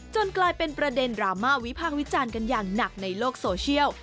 กลายเป็นประเด็นดราม่าวิพากษ์วิจารณ์กันอย่างหนักในโลกโซเชียล